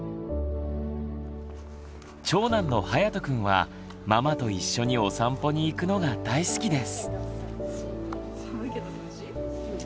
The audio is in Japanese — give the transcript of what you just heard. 長男のはやとくんはママと一緒にお散歩に行くのが大好きです。